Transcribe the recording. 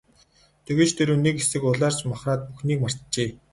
Тэгээд ч тэр үү, нэг хэсэг улайрч махраад бүхнийг мартжээ.